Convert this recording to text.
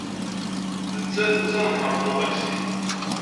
Nettat d tanehhaṛt n uṭaksi?